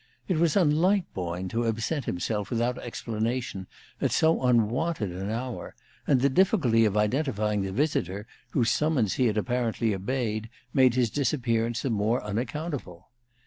It was unlike Boyne to absent himself without explanation at so unwonted an hour, and the difficulty of identifying the visitor whose summons he had apparently obeyed made his disappearance the more unaccountable.